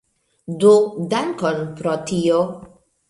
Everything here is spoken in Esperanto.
Do, dankon pro tio